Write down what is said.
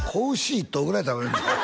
１頭ぐらい食べるんちゃう？